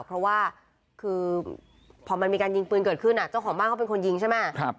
เพราะว่าคือพอมันมีการยิงปืนเกิดขึ้นเจ้าของบ้านเขาเป็นคนยิงใช่ไหม